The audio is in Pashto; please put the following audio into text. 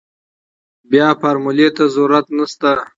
بيا فارمولې ته ضرورت نشته.